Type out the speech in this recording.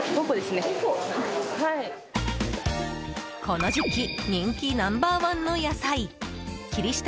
この時期人気ナンバー１の野菜霧下